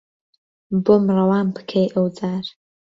بۆم ڕەوان پکهی ئهو جار